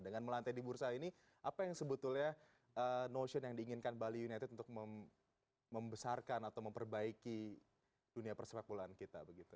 dengan melantai di bursa ini apa yang sebetulnya notion yang diinginkan bali united untuk membesarkan atau memperbaiki dunia persepak bolaan kita begitu